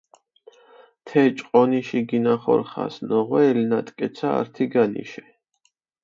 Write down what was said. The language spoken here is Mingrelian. თე ჭყონიში გინახორხას ნოღვე ელნატკეცა ართი განიშე.